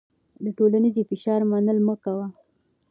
د ټولنیز فشار منل مه کوه.